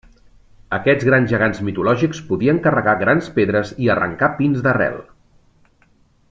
Aquests gegants mitològics podien carregar grans pedres i arrancar pins d'arrel.